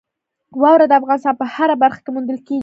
واوره د افغانستان په هره برخه کې موندل کېږي.